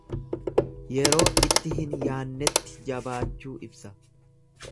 Yeroo itti hin yaannetti jabaachuu ibsa.